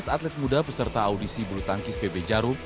dua belas atlet muda peserta audisi bulu tangkis pb jarum